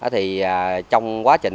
thì trong quá trình